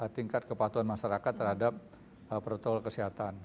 tingkat kepatuhan masyarakat terhadap protokol kesehatan